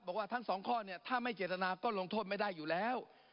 บอกว่าทั้งสองข้อเนี่ยถ้าไม่เจตนาก็ลงโทษไม่ได้อยู่แล้ว